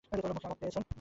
মুখে আঘাত পেয়েছেন?